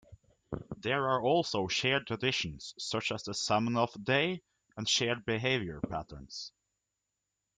There are also shared traditions, such as Zamenhof Day, and shared behaviour patterns.